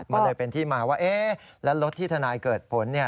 มันเลยเป็นที่มาว่าเอ๊ะแล้วรถที่ทนายเกิดผล